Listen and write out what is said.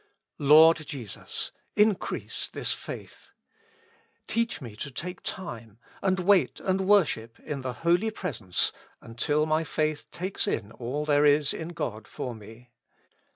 Lord Jesus ! increase this faith. Teach me to take time, and wait and worship in the Holy Presence until my faith takes in all there is in God for me.